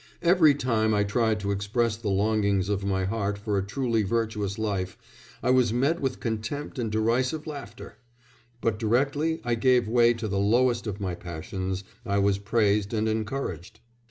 Every time I tried to express the longings of my heart for a truly virtuous life I was met with contempt and derisive laughter; but directly I gave way to the lowest of my passions I was praised and encouraged....